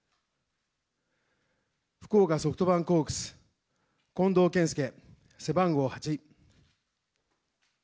福岡ソフトバンクホークス、近藤健介、背番号８。